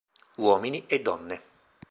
Uomini e donne.